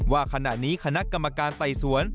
ว่าขณะนี้คณะกรรมการไต่สวน